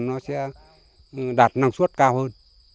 nó sẽ đạt năng suất cao hơn